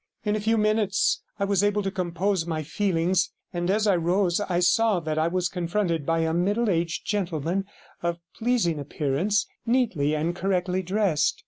In a few minutes I was able to compose my feelings, and as I rose I saw that I was confronted by a middle aged gentleman of pleasing appearance, neatly and correctly dressed.